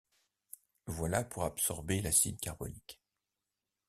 Voilà pour absorber l’acide carbonique.